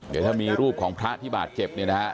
เดี๋ยวถ้ามีรูปของพระที่บาดเจ็บเนี่ยนะฮะ